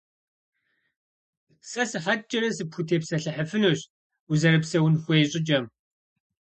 Сэ сыхьэткӀэрэ сыпхутепсэлъыхьыфынущ узэрыпсэун хуей щӀыкӀэм.